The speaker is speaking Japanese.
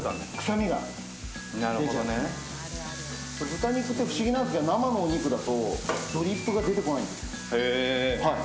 豚肉って不思議なんですけど生のお肉だとドリップが出てこないんです。